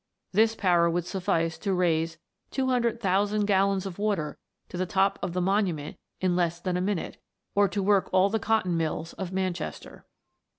This power would suffice to raise 200,000 gallons of water to the top of the Monument in less than a minute, or to work all the cotton mills of Manchester.